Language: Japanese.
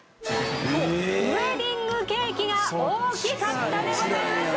「ウエディングケーキが大きかった」でございます。